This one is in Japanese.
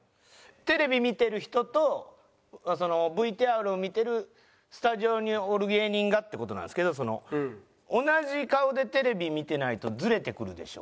テレビ見てる人とそのＶＴＲを見てるスタジオにおる芸人がって事なんですけど同じ顔でテレビ見てないとズレてくるでしょ。